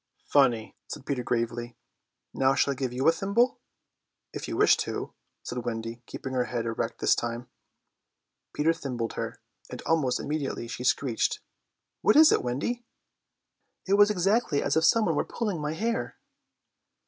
"Funny!" said Peter gravely. "Now shall I give you a thimble?" "If you wish to," said Wendy, keeping her head erect this time. Peter thimbled her, and almost immediately she screeched. "What is it, Wendy?" "It was exactly as if someone were pulling my hair."